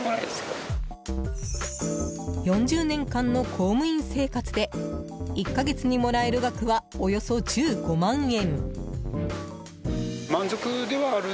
４０年間の公務員生活で１か月にもらえる額はおよそ１５万円。